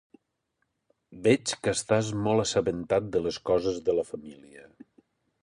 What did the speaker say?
—Veig que estàs molt assabentat de les coses de la família